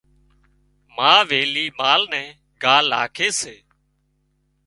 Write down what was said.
ما ويلِي مال نين ڳاهَ لاکي سي۔